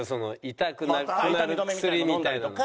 痛くなくなる薬みたいなのを。